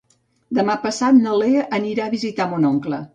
Demà passat na Lea anirà a visitar mon oncle.